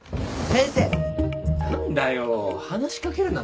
先生。